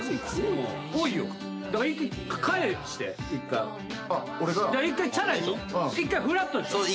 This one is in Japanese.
１回フラットにしよう。